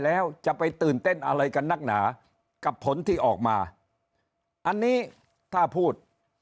แล้วจะไปตื่นเต้นอะไรกันนักหนากับผลที่ออกมาอันนี้ถ้าพูด